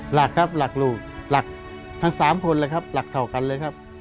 หลักครับหลักลูกหลักทั้ง๓คนเลยครับหลักเท่ากันเลยครับ